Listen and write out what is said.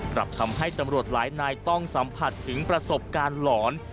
กลับทำให้ตำรวจหลายนายต้องสัมผัสถึงประสบการณ์หลอน